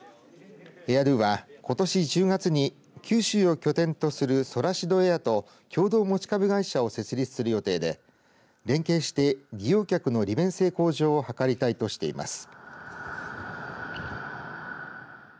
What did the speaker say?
エア・ドゥは、ことし１０月に九州を拠点とするソラシドエアと共同持ち株会社を設立する予定で連携して利用客の利便性向上を図りたいとしています。